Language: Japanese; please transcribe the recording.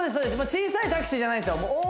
小さいタクシーじゃないんですよ